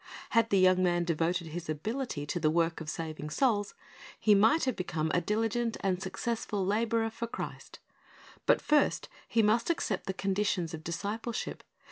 Had the young man devoted his ability to the w^ork of saving souls, he might have become a diligent and successful laborer for Christ. But first he must accept the conditions of discipleship.